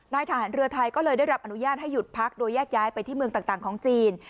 ทหารเรือไทยก็เลยได้รับอนุญาตให้หยุดพักโดยแยกย้ายไปที่เมืองต่างของจีน